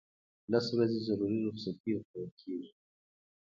لس ورځې ضروري رخصتۍ ورکول کیږي.